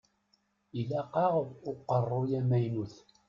Ilaq-aɣ uqeṛṛuy amaynut.